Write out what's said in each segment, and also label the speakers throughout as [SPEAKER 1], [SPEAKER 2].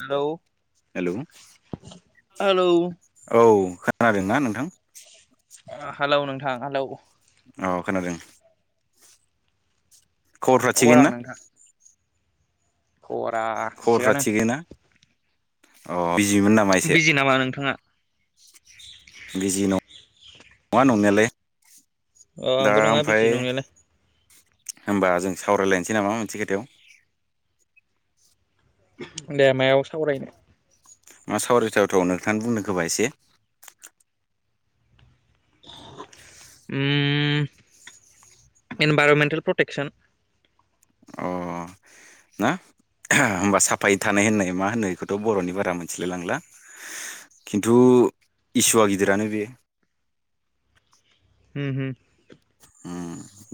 [SPEAKER 1] Hello
[SPEAKER 2] hello
[SPEAKER 1] hello
[SPEAKER 2] औ खोनादोंना नोंथां?
[SPEAKER 1] हा हेलौ।
[SPEAKER 2] औ खोनादों। खबरफ्रा
[SPEAKER 1] खबर आं
[SPEAKER 2] थिगैनो ना?
[SPEAKER 1] नोंथां खबरा
[SPEAKER 2] खबरफ्रा
[SPEAKER 1] थिगानो।
[SPEAKER 2] थिगैना अ'। बिजिमोन नामा एसे?
[SPEAKER 1] बिजि नामा नोंथाङा
[SPEAKER 2] बिजि नङा नंनायालाय।
[SPEAKER 1] अ'
[SPEAKER 2] दा
[SPEAKER 1] आंबो नङा
[SPEAKER 2] ओमफ्राय
[SPEAKER 1] बिजि नंनायालाय।
[SPEAKER 2] होमबा जों सावरायलायनोसै नामा मोनसे खोथायाव
[SPEAKER 1] दे मायाव सावरायनो?
[SPEAKER 2] मा सावरायथावथाव नोंथां बुंनो खोबा एसे।
[SPEAKER 1] ओ इनभाइरमेन्टेल प्रटेकसन
[SPEAKER 2] अ ना होमबा साफायै थानाय होननाय मा होननाय बेखौथ' बर'नि बारा मोनथिलाय लांला खिन्थु इसुवआ गिदिरानो बे
[SPEAKER 1] होम होम।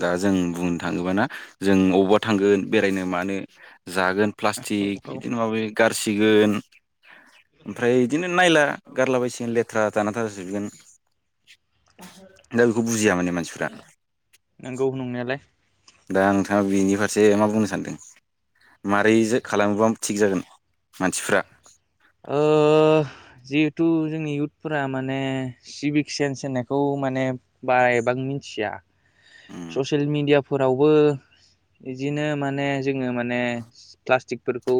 [SPEAKER 2] दा जों बुंनो थाङोबाना जों अबावबा थांगोन बेरायनो मानो जागोन
[SPEAKER 1] औ
[SPEAKER 2] प्लास्टिक
[SPEAKER 1] औ
[SPEAKER 2] बिदिनो माबा माबि गारसि गोन ओमफ्राय बिदिनो नायला गारला बसिगोन लेथ्रा जाना थाजोबगोन दा बेखौ बुजिया माने मानसिफ्रा
[SPEAKER 1] नंगौ नंनायालाय।
[SPEAKER 2] दा नोंथाङा बेनि फारसे मा बुंनो सानदों? माबोरै खालामोबा थिग जागोन मानसिफ्रा
[SPEAKER 1] ओ जिहेथु जोंनि इयुथफोरा माने सिभिक सेन्स होननायखौ माने बायबां मिथिया
[SPEAKER 2] उम
[SPEAKER 1] ससियेल मिेडियाफोरावबो बिदिनो माने जोङो माने प्लास्टिकफोरखौ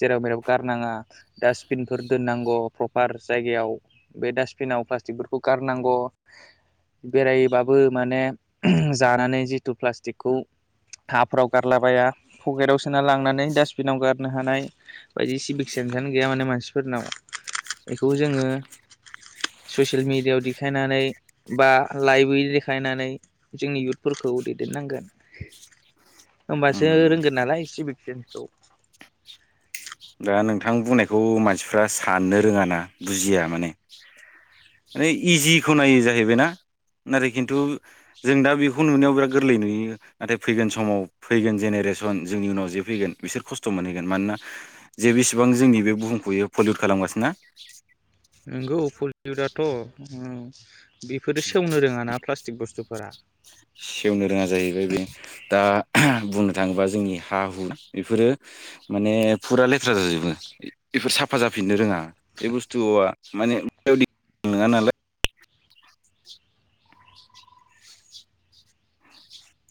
[SPEAKER 1] जेराव -मेराव गारनाङा डासबिनफोर दोननांगौ प्रपार जायगायाव बे डास्टबिनाव प्लास्टिकफोरखौ गारनांगौ बेरायबाबो माने जानानै जितु प्लास्टिकखौ हाफ्राव गारलाबाया पकेटाव सोना लांनानै डास्टबिनाव गारनो हानाय बायदि सिबिख से हजानो गैया माने मानसिफोरनाव बेखौ जोङो ससियेल मेडियाआव देखायनानै बा लाइभै देखायनानै जोंनि इउथफोरखौ दैदेननांगोन।
[SPEAKER 2] उम
[SPEAKER 1] होमबासो रोंगोन नालाय सिबिक सेनस औ।
[SPEAKER 2] दा नोंथां बुंनायखौ मानसिफ्रा साननो रोङा ना बुजिया माने इजि खौ नायो जाहैबायना नाथाय खिन्थु जों दा बेखौ नुनायाव बिराद गोरलै नुयो नाथाय फैगोन समाव फैगोन जेनेरेसन जोंनि उनाव जे फैगोन बिसोर खस्थ' मोनहैगोन मानोना जे बिसेबां जोंनि बे बुहुमखौयो पलिउट खालाम गासिनो ना
[SPEAKER 1] नंगौ पलिउदाथ' ओम बेफोरो सेवनो रोङाना प्लास्टिक बुस्थुफोर फोरा
[SPEAKER 2] सेवनो रोङा जाहैबाय बे दा [unintelligible] बुंनो थाङोबा जोंनि हा हु इफोरो माने फुरा लेथ्रा जाजोबो इ इफोर साफा जाफिननो रोङा बे बुस्थुआ माने [inaudible] नङा नालाय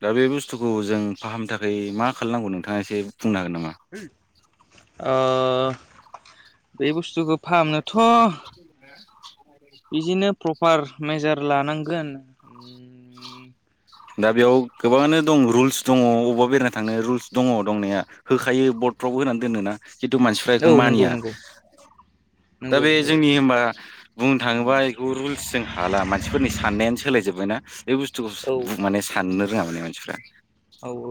[SPEAKER 2] दा बे बुस्थुखौ जों फाहामनो थाखाय मा खालानांगौ नोंथाङा एसे बुंनो हागोन नामा
[SPEAKER 1] [inaudible] ओ बे बुस्थुखो फाहामनोथ' बिदिनो प्रपार मेजार लानांगोन उम
[SPEAKER 2] दा बेयाव गोबाङानो दं रुल्स दङ' अबबा बेरायना थांनो रुल्स दङ' दंनाया होखायो बर्डफ्रावबो होनानै दोनोना खिन्थु मानसिफ्रा
[SPEAKER 1] औ
[SPEAKER 2] इखौ
[SPEAKER 1] नंगौ
[SPEAKER 2] मानिया
[SPEAKER 1] नंगौ
[SPEAKER 2] दा
[SPEAKER 1] नंगौ
[SPEAKER 2] बे जोंनि होमबा [unintelligible] थाङोबा इखौ रुलस जों हाला मानसिफोरनि साननायानो सोलाय जोबबायना बे बुस्थुखौ
[SPEAKER 1] औ
[SPEAKER 2] बु माने साननो रोङा माने मानसिफ्रा
[SPEAKER 1] औ औ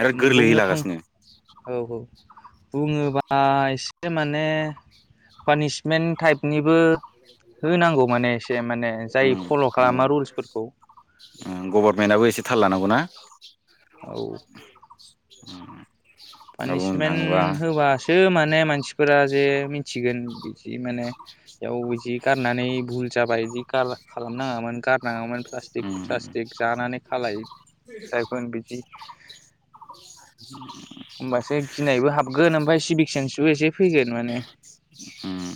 [SPEAKER 2] आरो
[SPEAKER 1] उम
[SPEAKER 2] गोरलैयै
[SPEAKER 1] बुंनो थां
[SPEAKER 2] लागासिनो
[SPEAKER 1] औ औ बुङोबा एसे माने पानिसमेन्ट टाइपनिबो होनांगौ माने ए से माने
[SPEAKER 2] उम
[SPEAKER 1] जाम फल' खालामा
[SPEAKER 2] नंगौ
[SPEAKER 1] रुल्सफोरखौ
[SPEAKER 2] उम गभर्नमेन्टआबो एसे थाल लानांगौ ना [inaudible]
[SPEAKER 1] औ
[SPEAKER 2] उम
[SPEAKER 1] पानिसमेन्ट होबासो माने मानसिफोरा जे मिन्थिगोन बि जि माने बेयाव जि गारनानै भुल जाबाय जि गार खालाम नाङामोन गार नाङामोन प्लास्टिक
[SPEAKER 2] उम
[SPEAKER 1] प्लास्टिक जानानै खालायो दायफोन बिदि
[SPEAKER 2] [inaudible]
[SPEAKER 1] ओमबासो गिनायबो हाबगोन ओमफाय सिबिक सेनसुले जे फैगोन माने
[SPEAKER 2] उम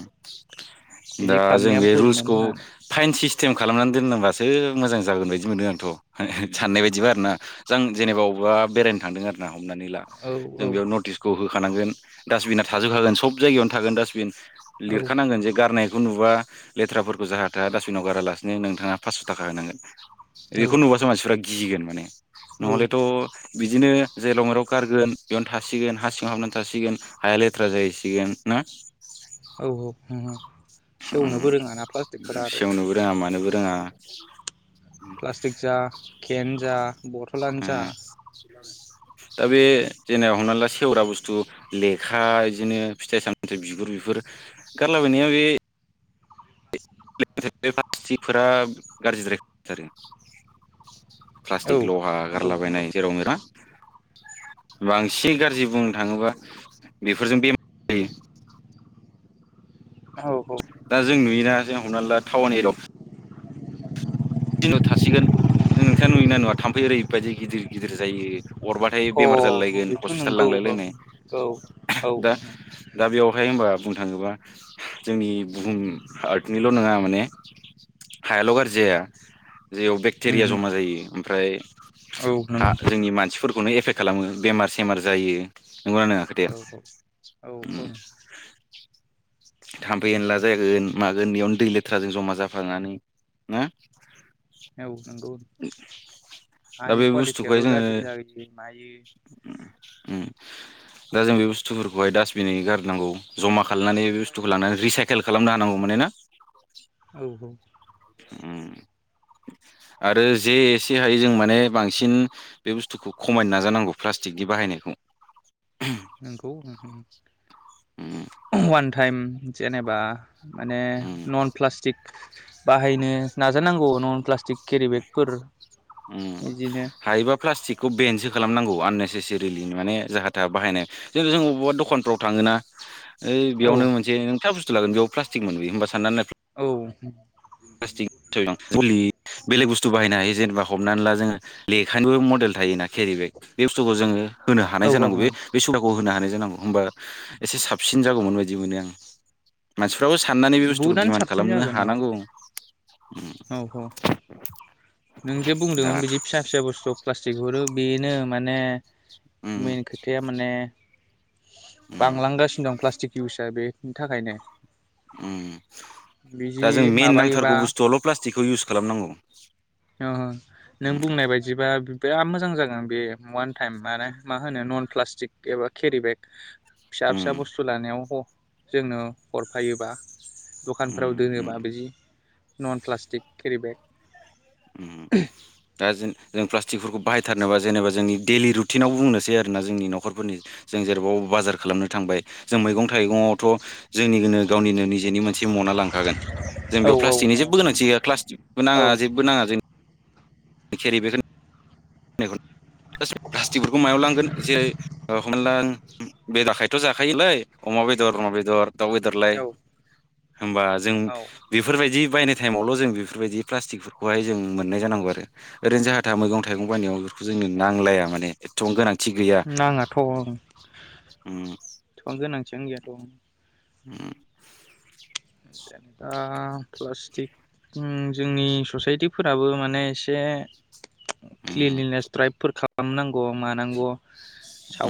[SPEAKER 1] बिदि
[SPEAKER 2] दा जों
[SPEAKER 1] खालामनाया
[SPEAKER 2] बे
[SPEAKER 1] भुलमोन
[SPEAKER 2] रुल्सखौ
[SPEAKER 1] होननानै
[SPEAKER 2] फाइन सिस टिम खालामनानै दोननांबासो मोजां जागोन बायदि मोनदों आंथ' हो हो साननाय बायदिबा आरोना जां जेनेबा अबबा बेरायनो थांदों आरोना हमनानै ला
[SPEAKER 1] औ औ
[SPEAKER 2] जों बेयाव नटिसखौ हो खानांगोन डास्टबिना थाजोबखागोन सब जायगायावनो थागोन डास्टबिन
[SPEAKER 1] औ
[SPEAKER 2] लिरखानांगोन जे गारनायखौ नुबा लेथ्राफोरखौ जाहा थाहा डास्टबिनाव गारालासिनो नोंथाङा फास्स' थाखा होनांगोन।
[SPEAKER 1] औ
[SPEAKER 2] बेखौ नुबासो मानसिफ्रा गिगोन माने नहलेथ'
[SPEAKER 1] औ
[SPEAKER 2] बिदिनो जेराव मेराव गारगोन बेयावनो थासिगोन हा सिङाव हाबनानै थासिगोन हाया लेथ्रा जाहैसिगोन ना?
[SPEAKER 1] नंगौ। सेवनोबो रोङाना प्लास्टिकफोरा आरो
[SPEAKER 2] सेवनोबो रोङा मानोबो रोङा
[SPEAKER 1] प्लास्टिक जा खेन जा बथलानो जा
[SPEAKER 2] उम। दा बे जेनेबा हमना ला सेवग्रा बुस्थु लेखा इदिनो फिथाइ सामथाइ बिगुर बिफोर गारलाबायनाया बे [unintelligible]
[SPEAKER 1] औ
[SPEAKER 2] प्लास्टिक लहा
[SPEAKER 1] नंगौ नंगौ
[SPEAKER 2] गारलाबायनाय जेराव मेराव बांसिन गाज्रि बुंनो थाङोबा बेफोरजों बेमार जायो।
[SPEAKER 1] औ औ
[SPEAKER 2] दा जों नुयोना जों हमना ला [unintelligible] दिनाव थासिगोन नोंथाङा नुयोना नुवा थाम्फै ओरैबायदि गिदिर गिदिर जायो। अरबाथाय
[SPEAKER 1] अ
[SPEAKER 2] बेमार जालायलायगोन
[SPEAKER 1] बेथ'
[SPEAKER 2] हस्पिटाल
[SPEAKER 1] नंगौ औ
[SPEAKER 2] लांलायलायनाय
[SPEAKER 1] औ औ
[SPEAKER 2] दा
[SPEAKER 1] उम
[SPEAKER 2] दा बेयावहाय होमबा बुंनो थाङोबा जोंनि बुहुम आर्टनिल' नङा माने हायाल' गाज्रि जाया। जेयाव बेक्टेरिया जमा जायो। ओमफ्राय
[SPEAKER 1] औ
[SPEAKER 2] हा
[SPEAKER 1] नंगौ
[SPEAKER 2] जोंनि मानसिफोरखौनो एफेक्ट खालामो बेमार सेमार जायो। नंगौना नङा खोथाया
[SPEAKER 1] औ औ औ
[SPEAKER 2] उम।
[SPEAKER 1] ओं
[SPEAKER 2] थाम्फै एनला जागोन मागोन बेयावनो दै लेथ्राजों जमा जाफानानै ना?
[SPEAKER 1] औ। नंगौ
[SPEAKER 2] दा
[SPEAKER 1] हानि
[SPEAKER 2] बे बुस्थुखौहाय
[SPEAKER 1] क्वालिटियाबो
[SPEAKER 2] जोङो
[SPEAKER 1] गाज्रि जायो मायो।
[SPEAKER 2] उम दा जों बे बुस्थुफोरखौहाय डास्टबिनै गारनांगौ जमा खालायनानै बे बुस्थुखौ लांनानै रिसाइकेल खालामनो हानांगौ माने ना?
[SPEAKER 1] औ औ
[SPEAKER 2] उम आरो जे एसे हायो जों माने बांसिन बे बुस्थुखौ खमायनो नाजानांगौ प्लास्टिकनि बाहायनायखौ
[SPEAKER 1] नोंगौ नोंथां उम।
[SPEAKER 2] उम
[SPEAKER 1] वान टाइम जेनेबा माने
[SPEAKER 2] उम
[SPEAKER 1] नन प्लास्टिक बाहायनो नाजानांगौ नन प्लास्टिक केरि बेगफोर बिदिनो
[SPEAKER 2] बे खौ बेनसो खालामनांगौ आननेसेसेरलि माने जाहााथाहा बाहायनाय जोंथ अबावबा दखानफ्राव थाङोना ओइ
[SPEAKER 1] औ
[SPEAKER 2] बेयावनो मोनसे [unintelligible] प्लास्टिक मोनबोयो होनबा साननानै नाय
[SPEAKER 1] औ [inaudible]
[SPEAKER 2] प्लास्टिक गलि बेलेग बुस्थु बाहायनो हायो जेनेबा हमनानै ला जोङो लेखानिबो मडेल थायोना केरि बेग बे बुस्थुखौ जोङो होनो
[SPEAKER 1] औ
[SPEAKER 2] हानाय जानांगौ बे सुब होनो हानाय जानांगौ होमबा एसे साबसिन जागौमोन बायदि मोनो आं मान फ्राबो साननानै बे बुस्थुखौ
[SPEAKER 1] बुटआनो
[SPEAKER 2] दिमान्ड
[SPEAKER 1] साबसिन
[SPEAKER 2] खालामनो
[SPEAKER 1] जागोन औ
[SPEAKER 2] हानांगौ
[SPEAKER 1] औ औ नोंजे बुंदोंमोन
[SPEAKER 2] दाथ'
[SPEAKER 1] बिदि फिसा फिसा बुस्थु प्लास्टिक हरो बेनो माने
[SPEAKER 2] उम
[SPEAKER 1] मेनखोथाया माने
[SPEAKER 2] उम
[SPEAKER 1] बांलांगासिनो दं प्लास्टिक इउसआ बे बिनि थाखायनो
[SPEAKER 2] उम
[SPEAKER 1] बिदि
[SPEAKER 2] दा जों मेन
[SPEAKER 1] माबायोबा
[SPEAKER 2] नांथारगौ बुस्थुआवल' प्लास टिखौ इउस खालामनांगौ
[SPEAKER 1] ओ नों
[SPEAKER 2] उम
[SPEAKER 1] बुंनाय बायदिबा बियाव मो मोजां जागोन बे उवान टाइम माने मा होनो नन प्लास्टिक एबा केरि बेग
[SPEAKER 2] उम
[SPEAKER 1] फिसा-फिसा बुस्थु लानायाव ह जोंनो हरफायोबा
[SPEAKER 2] उम
[SPEAKER 1] दखानफोराव
[SPEAKER 2] उम
[SPEAKER 1] दोनोबा बिदि नन प्लास्टिक केरि बेग
[SPEAKER 2] उम दा जो-जों प्लास्टिकफोरखौ बाहाय थारनोबा जेनेबा जोंनि दैलि रुटिनाव बुंनोसै आरो ना जोंनि न'खरफोरनि जों जेर'बाव बाजार खालामनो थांबाय जों मैगं थाइगङावथ' जोंनि गोनो गावनिनो निजेनि मोनसे मना लांखागोन जों
[SPEAKER 1] औ
[SPEAKER 2] बेयाव
[SPEAKER 1] औ
[SPEAKER 2] प्लास्टिकनि जेबो गोनांथि गया प्लासस्टिकबो
[SPEAKER 1] औ
[SPEAKER 2] नाङा जों खेरि बेखौ प्लास्टिक-प्लास्टिकफोरखौ मायाव लांगोन जेरै ओ हमना ला बेदाखायथ' जाखायोलै अमा बेदर अमा बेदर दाव बेदरलाय
[SPEAKER 1] औ
[SPEAKER 2] होमबा जों
[SPEAKER 1] औ
[SPEAKER 2] बेफोरबायदि बायनाय टाइमावल' जों बेफोरबायदि प्लास्टिलकफोरखौहाय जों मोननाय जानांगौ आरो ओरैनो जाहा-थाहा मैगं-थाइगं बायनायाव बेखौ जोंनो नांलाया माने एथ'बां गोनांथि नंङा।
[SPEAKER 1] नङाथ'
[SPEAKER 2] उम
[SPEAKER 1] एसेबां गोनां थियानो गैया।
[SPEAKER 2] उम
[SPEAKER 1] जेनेबा प्लास्टिक जोंनि ससाइटिफोराबो माने एसे
[SPEAKER 2] उम
[SPEAKER 1] क्लिनलिनेस द्राइबफोर खालाम खालामनांगौ मानांगौ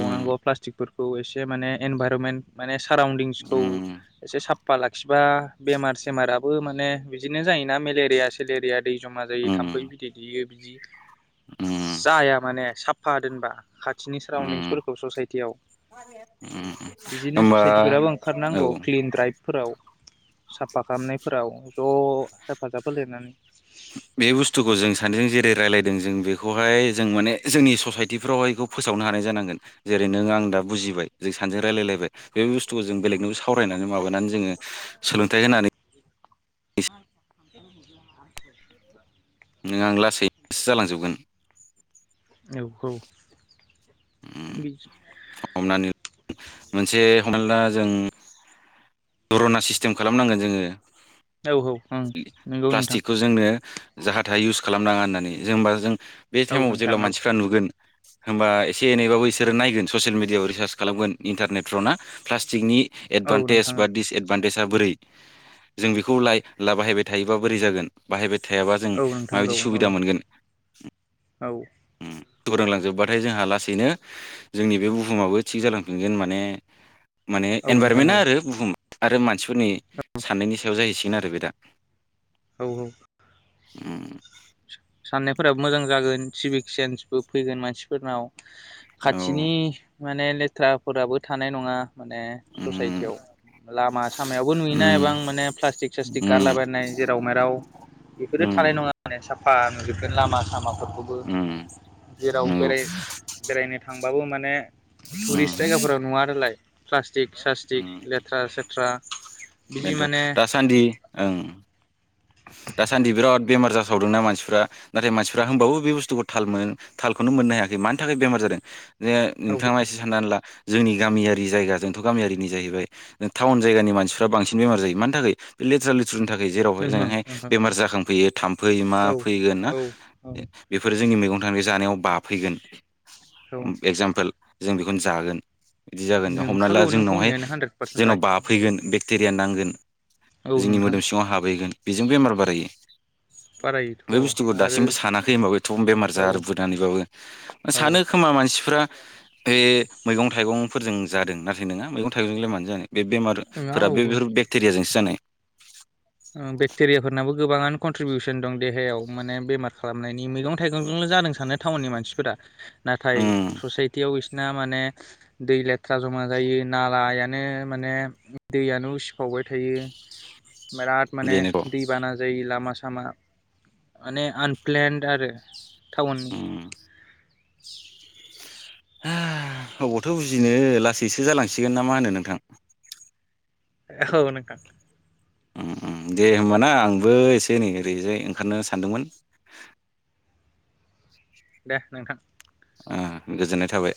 [SPEAKER 2] उम
[SPEAKER 1] प्लास्टिकफोरखौ खौ एसे माने इनभारमेन्टेल माने साराउन्दिंसखौ
[SPEAKER 2] उम
[SPEAKER 1] एसे सा साफा लाखिबा बेमार सेमाराबो माने बिदिनो जायोना मेलेरिया सेलेरिया दै जमा जायो थाम्फै
[SPEAKER 2] उम
[SPEAKER 1] बिदै दैेयो। बिदि
[SPEAKER 2] उम
[SPEAKER 1] जाया माने साफ फा दोनबा खाथिनि
[SPEAKER 2] उम
[SPEAKER 1] साराउदिंसफोरखौ ससाइटियाव
[SPEAKER 2] उम
[SPEAKER 1] बिदिनो
[SPEAKER 2] होमबा
[SPEAKER 1] ससाइटिफोराबो ओंखारनांगौ
[SPEAKER 2] औ
[SPEAKER 1] क्लिन द्राइभफोराव साफा खालामनायफोराव ज' हेफाजाब होलायनानै
[SPEAKER 2] बे बुस्थुखौ जों सानैजों जेरै रायजलायदों जों बेखौहाय जों माने जोंनि ससायटिफ्रावहाय बेखौ फोसावनो हानाय जानांगोन जेरै नों आं दा बुजिबाय जों सानैजों रायज्लायलायबाय। बे बुस्थुखौ जों बेलेगनो सावरायनानै माबानानै जोङो सोलोंथाइ होनानै
[SPEAKER 1] [unintelligible]
[SPEAKER 2] नों आं लासैसो जालांजोबगोन।
[SPEAKER 1] बि
[SPEAKER 2] उम,
[SPEAKER 1] मिथि
[SPEAKER 2] हमनानै
[SPEAKER 1] [unintelligible]
[SPEAKER 2] मोनसे हमनानै ला जों दुरना सिस्टेम खालामनांगोन जोङो।
[SPEAKER 1] औ ओं नंगौ नोंथां
[SPEAKER 2] प्लास्टिकखौ जोंनो जाहा थाहा इउस खालामनााङा होननानै जों होनबा जों बे
[SPEAKER 1] औ
[SPEAKER 2] टाइमाव
[SPEAKER 1] नोंथां
[SPEAKER 2] जेब्ला
[SPEAKER 1] औ
[SPEAKER 2] मानसिफ्रा नुगोन होमबा एसे एनैबाबो बिसोरो नायगोन ससियेल मिडियाआव रिसार्च खालामगोन इन्टारनेट फ्रना प्लास्टिकनि
[SPEAKER 1] औ
[SPEAKER 2] एडभान्टेेज
[SPEAKER 1] नोंथां औ
[SPEAKER 2] डिसएडभान्टेज जों बेखौ लाय बाहायबाय थायोब्ला बोरै जागोन। थायाबा जों
[SPEAKER 1] औ नोंथां औ
[SPEAKER 2] माबायदि
[SPEAKER 1] औ
[SPEAKER 2] सुबिदा मोनगोन।
[SPEAKER 1] औ।
[SPEAKER 2] फोरोंलांजोबबाथाय जोंहा लासैनो जोंनि बे बुहुमाबो थिग जालांफिनगोन माने माने
[SPEAKER 1] औ नोंथां औ
[SPEAKER 2] एनभारमेन्टआ आरो बुहुम आरो मानसिफोरनि साननायनि सायाव जाहैसिगोन आरो बे दा।
[SPEAKER 1] औ औ।
[SPEAKER 2] उम।
[SPEAKER 1] साननायफोराबो मोजां जागोन सिभिक सेन्सबो फैगोन मानसिफोरनाव।
[SPEAKER 2] औ
[SPEAKER 1] खाथिनि माने लेथ्राफोराबो थानाय नङा। माने
[SPEAKER 2] उम
[SPEAKER 1] ससाइटियाव लामा सामायावबो नुयोना
[SPEAKER 2] उम
[SPEAKER 1] एबां माने प्लास्टिक स्लास्टिक
[SPEAKER 2] उम
[SPEAKER 1] गारलायबायनाय जेराव मेराव बेफोरो
[SPEAKER 2] उम
[SPEAKER 1] थानाय नङा माने सा फा नुजोबगोन लामा सामाव फोरबो
[SPEAKER 2] उम
[SPEAKER 1] जेराव
[SPEAKER 2] नंगौ
[SPEAKER 1] बेराय बेरायनो थांबाबो मा [inaudible]
[SPEAKER 2] उम
[SPEAKER 1] टुरिस्ट जायगाफोराव नुवा आरोलाय प्लास स्टिक सासटिक लेथ्रा सेथ्रा बिदि
[SPEAKER 2] बेनथ'
[SPEAKER 1] माने
[SPEAKER 2] दासान्दि ओं दासान्दि बिराद बेमार जासावदोंना मानसिफ्रा नाथाय मानसिफ्रा होनबाबो बे बुस्थुखौ थाल मो थालखौनो मोननो हायाखै मानि थाखाय बेमार जादों। जे
[SPEAKER 1] औ
[SPEAKER 2] नोंथाङा एसे साननानै ला जोंनि गामियारि जायगा जोंथ' गामियारिनि जाहैबाय टाउन जायगानि मानसिफ्रा बांसिन बेमार जायो मानि थाखै बे लेथ्रा लेथ्रिनि थाखै।
[SPEAKER 1] औ
[SPEAKER 2] ओजोंहाय
[SPEAKER 1] नों
[SPEAKER 2] बेमार जाखांफैयो फै मा
[SPEAKER 1] औ
[SPEAKER 2] फैगोन ना
[SPEAKER 1] औ ओं
[SPEAKER 2] बेफोर जोंनि मेगं नोंथांनि जानायाव बाफैगोन
[SPEAKER 1] औ
[SPEAKER 2] बे जामपोल जों बेखौनो जागोन बिदि जागोन। दा हमनानै ला
[SPEAKER 1] नोंखागौ नों
[SPEAKER 2] जोंनावहाय
[SPEAKER 1] बुंनायानो हानद्रेद पारसेन्ट
[SPEAKER 2] जोंनाव
[SPEAKER 1] राइट
[SPEAKER 2] बाफैगोन बेक्टेरिया नांगोन
[SPEAKER 1] औ
[SPEAKER 2] जोंनि
[SPEAKER 1] नोंथां
[SPEAKER 2] मोदोम सिङाव हाबहैगोन बेजों बेमार बारायो
[SPEAKER 1] बारायोथ'
[SPEAKER 2] बे बुस्थुखौ
[SPEAKER 1] आरो
[SPEAKER 2] दासिमबो सानाखै होमबाबो एथ'बां बेमार
[SPEAKER 1] औ
[SPEAKER 2] जा बुदानैबाबो।
[SPEAKER 1] औ
[SPEAKER 2] सानो खोमा मानसिफ्रा बे मैगं थाइगंफोरजों जादों नाथाय नोङा मैगं थाइगंजोंलाय मानो जानो। बे
[SPEAKER 1] नङा
[SPEAKER 2] बेमारफोरा
[SPEAKER 1] औ औ
[SPEAKER 2] बेफोर बेक्टेरियाजों सो जानाय।
[SPEAKER 1] टेरियाफोरनाबो गोबाङानो कन्ट्रिबिउसन दं देहायाव माने बेमार खालामनायनि मैगं थाइगंजोंल जादों सानो टाउननि मानसिफोरा। नाथाय
[SPEAKER 2] उम
[SPEAKER 1] ससाइटियाव सिना माने दै लेथ्रा जमा जायो नालायानो माने दैयानो उसिफावबाय थायो। बिराद माने
[SPEAKER 2] बेनोथ'
[SPEAKER 1] दै बाना जायो लामा सा आसामा माने आनप्लेन्ड आरो। थावननि।
[SPEAKER 2] अबावथ' बुजिनो लासैसो जालांसिगोन ना मा होनो नोंथां।
[SPEAKER 1] एखोहो नोंथां।
[SPEAKER 2] उम उम दे होमबाना आंबो एसे नै ओरैजाय ओंखारनो सानदोंमोन।
[SPEAKER 1] दे नोंथां।
[SPEAKER 2] ओ गोजोननाय थाबाय।